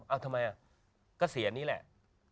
อ้าวทำไมอ่ะก็เสียงนี้แหละ